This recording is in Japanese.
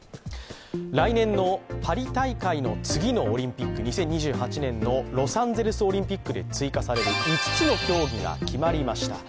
来年のパリ大会の次のオリンピック、２０２８年のロサンゼルスオリンピックで追加される５つの競技が決まりました。